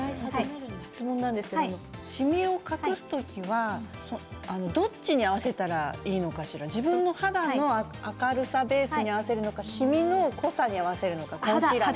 質問ですがしみを隠す時はどっちに合わせたらいいのかしら自分の肌の明るさのベースに合わせるのかしみの濃さに合わせるのか。